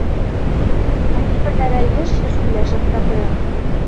Ҡайһы берҙәре йыш-йыш һөйләшеп тә ҡуя.